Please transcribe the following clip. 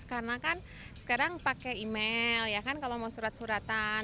karena kan sekarang pakai email kalau mau surat suratan